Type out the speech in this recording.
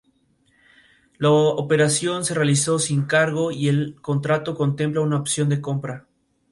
La operación se realizó sin cargo y el contrato contempla una opción de compra.